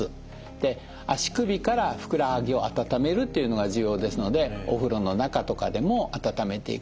で足首からふくらはぎを温めるっていうのが重要ですのでお風呂の中とかでも温めていく。